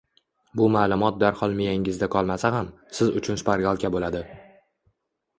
Bu ma’lumot darhol miyangizda qolmasa ham, siz uchun shpargalka bo‘ladi.